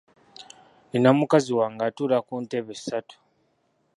Nnina mukazi wange atuula ku ntebe ssatu.